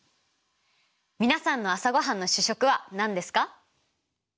皆さんの朝ごはんの主食は何ですか？